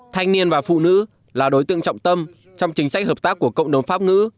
thanh niên và phụ nữ là đối tượng trọng tâm trong chính sách hợp tác của cộng đồng pháp ngữ